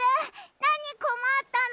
なにこまったの？